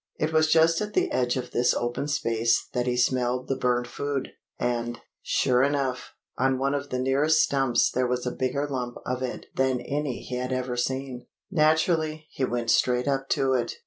It was just at the edge of this open space that he smelled the burnt food, and, sure enough, on one of the nearest stumps there was a bigger lump of it than any he had ever seen. Naturally, he went straight up to it.